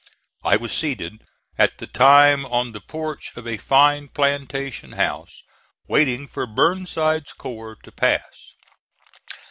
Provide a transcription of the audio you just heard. I was seated at the time on the porch of a fine plantation house waiting for Burnside's corps to pass.